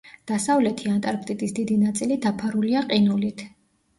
დასავლეთი ანტარქტიდის დიდი ნაწილი დაფარულია ყინულით.